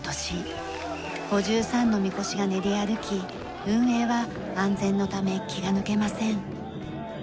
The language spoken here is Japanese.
５３の御輿が練り歩き運営は安全のため気が抜けません。